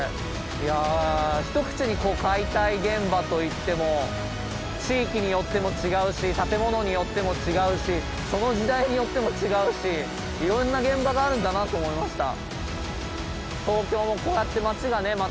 いや一口に解体現場といっても地域によっても違うし建物によっても違うしその時代によっても違うしいろんな現場があるんだなと思いました。